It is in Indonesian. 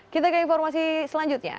kita ke informasi selanjutnya